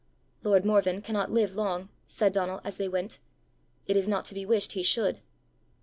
"Lord Morven cannot live long," said Donal as they went. "It is not to be wished he should."